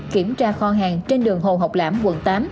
kiểm tra kho hàng trên đường hồ học lãm quận tám